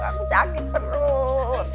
aku sakit perut